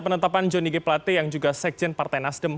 penetapan johnny g plate yang juga sekjen partai nasdem